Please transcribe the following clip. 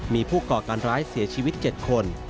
มีผู้ก่อการร้ายเสียชีวิต๗คน